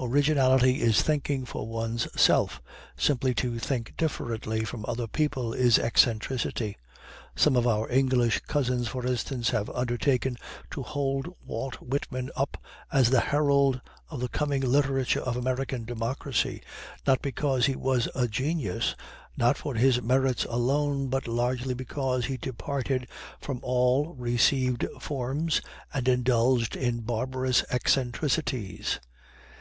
Originality is thinking for one's self. Simply to think differently from other people is eccentricity. Some of our English cousins, for instance, have undertaken to hold Walt Whitman up as the herald of the coming literature of American democracy, not because he was a genius, not for his merits alone, but largely because he departed from all received forms, and indulged in barbarous eccentricities.